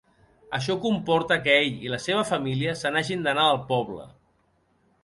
Això comporta que ell i la seva família se n'hagin d'anar del poble.